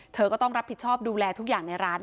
เธอก็ต้องรับผิดชอบดูแลทุกอย่างในร้าน